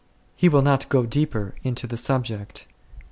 He will not go deeper into the subject.